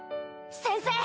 先生！